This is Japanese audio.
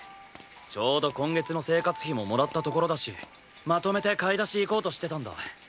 ちょうど今月の生活費ももらったところだしまとめて買い出し行こうとしてたんだ。